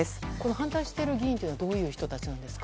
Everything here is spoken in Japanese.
反対している議員はどういう人たちなんですか？